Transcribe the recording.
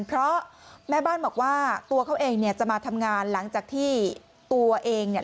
เพราะแม่บ้านบอกว่าตัวเขาเองเนี่ยจะมาทำงานหลังจากที่ตัวเองเนี่ย